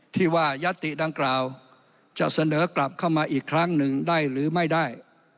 ที่ว่ายัตติดังกล่าวจะเสนอกลับเข้ามาอีกครั้งหนึ่งได้หรือไม่ได้